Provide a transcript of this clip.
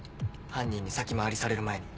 犯人に先回りされる前に。